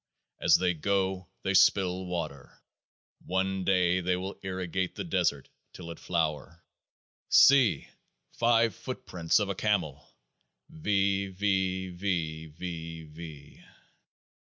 As they go they spill water ; one day they will irrigate the desert, till it flower. See ! five footprints of a Camel ! V.